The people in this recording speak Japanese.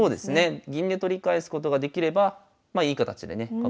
銀で取り返すことができればまあいい形でね角